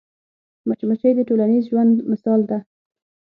مچمچۍ د ټولنیز ژوند مثال ده